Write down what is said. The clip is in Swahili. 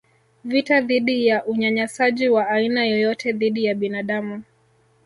vita dhidi ya unyanyasaji wa aina yoyote dhidi ya binadamu